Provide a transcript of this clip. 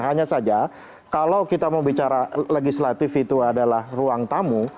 hanya saja kalau kita mau bicara legislatif itu adalah ruang tamu